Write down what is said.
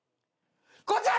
こちら！